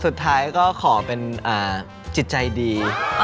สุดท้ายก็ขอเป็นจิตใจดี